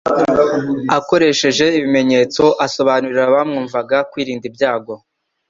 Akoresheje ibimenyetso, asobanurira abamwumvaga kwirinda ibyago